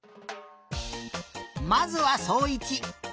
まずはそういち。